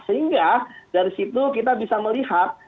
sehingga dari situ kita bisa melihat